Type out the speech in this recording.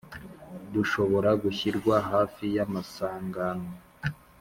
dushobora gushyirwa hafi y'amasangano.